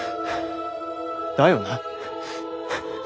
だよな。